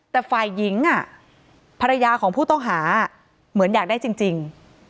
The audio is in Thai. แต่ฝ่ายหญิงภรรยาของผู้ต้องหาเหมือนอยากได้จริง